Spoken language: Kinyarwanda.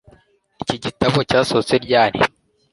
Iki gitabo cyasohotse ryari